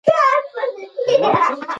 په خواله رسنیو کې مصنوعي ویډیوګانې ډېرې دي.